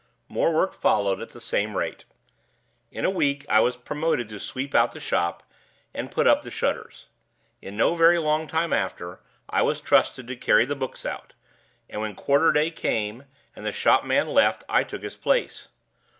More work followed at the same rate. In a week I was promoted to sweep out the shop and put up the shutters. In no very long time after, I was trusted to carry the books out; and when quarter day came, and the shop man left, I took his place.